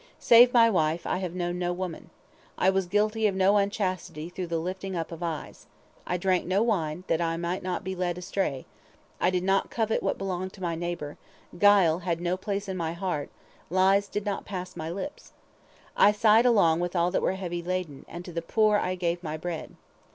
Save my wife, I have known no woman. I was guilty of no unchastity through the lifting up of eyes. I drank no wine, that I might not be led astray, I did not covet what belonged to my neighbor, guile had no place in my heart, lies did not pass my lips. I sighed along with all that were heavy laden, and to the poor I gave my bread.